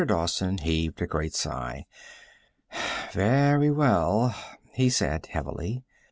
Dowson heaved a great sigh. "Very well," he said heavily.